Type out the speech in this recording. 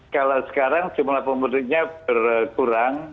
kalau sekarang jumlah pemudiknya berkurang